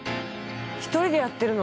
１人でやってるの？